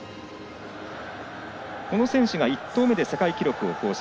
この選手が１投目で世界記録を更新。